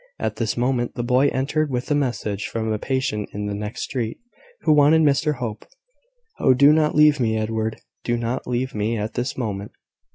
At this moment, the boy entered with a message from a patient in the next street, who wanted Mr Hope. "Oh, do not leave me, Edward! Do not leave me at this moment!"